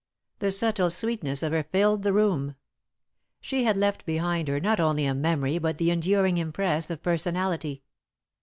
The subtle sweetness of her filled the room. She had left behind her not only a memory but the enduring impress of personality.